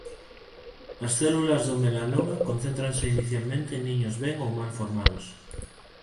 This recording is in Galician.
As células do melanoma concéntranse inicialmente en niños ben ou mal formados.